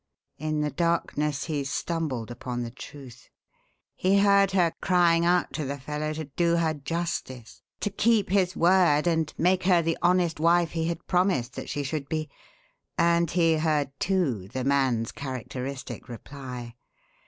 In the darkness he stumbled upon the truth. He heard her crying out to the fellow to do her justice, to keep his word and make her the honest wife he had promised that she should be, and he heard, too, the man's characteristic reply.